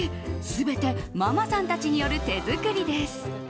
全てママさんたちによる手作りです。